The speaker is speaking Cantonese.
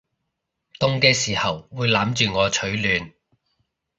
凍嘅時候會攬住我取暖